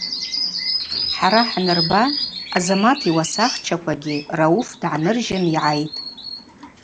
Хӏара хӏанырба Азамат йуасахчаквагьи Рауф дгӏаныржьын йгӏайтӏ.